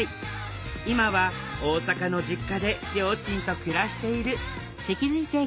今は大阪の実家で両親と暮らしている。